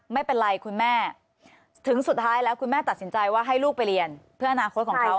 ไม่เป็นไรคุณแม่ถึงสุดท้ายแล้วคุณแม่ตัดสินใจว่าให้ลูกไปเรียนเพื่ออนาคตของเขา